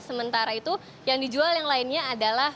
sementara itu yang dijual yang lainnya adalah